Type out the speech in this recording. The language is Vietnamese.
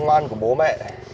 ngoan của bố mẹ